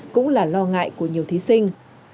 cũng là lo ngại của nhiều thí sinh